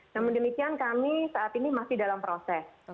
namun demikian kami saat ini masih dalam proses